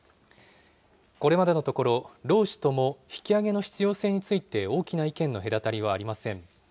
これまでのところ、労使とも引き上げの必要性について大きな意見の隔たりはありません。